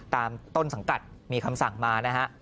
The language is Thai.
ต้นสังกัดมีคำสั่งมานะฮะ